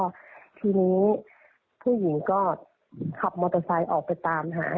ทุบประมาณสัก๓๔ทีเนี่ยค่ะแล้วก็ทีนี้ผู้หญิงก็ขับมอเตอร์ไซค์ออกไปตามหา